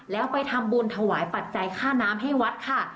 แล้วไปทำบุญถวายปัจจัยค่าน้ำให้วัดค่ะ